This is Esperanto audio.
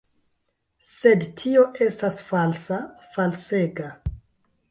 Sed tio estas falsa, falsega.